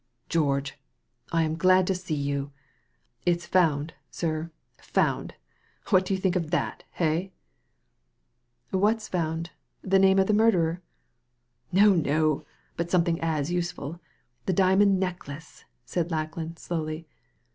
" George I I am glad to see you. It's found, sir — found i What do you think of that, hey ?"" What is found ? the name of the murderer ?"No, no ; but something as useful. The diamond necklace," said Lackland, slowly.